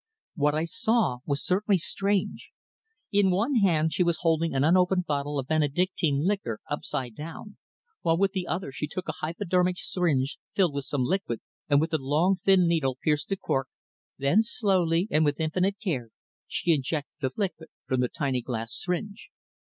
What I saw was certainly strange. In one hand she was holding an unopened bottle of Benedictine liqueur upside down, while with the other she took a hypodermic syringe filled with some liquid, and with the long thin needle pierced the cork, then slowly, and with infinite care, she injected the liquid from the tiny glass syringe.